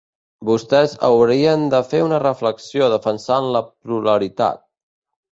Vostès haurien de fer una reflexió defensant la pluralitat.